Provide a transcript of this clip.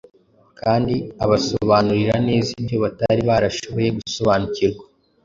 kandi abasobanurira neza ibyo batari barashoboye gusobanukirwa.